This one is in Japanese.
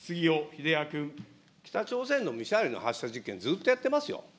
北朝鮮のミサイルの発射実験、ずっとやってますよ。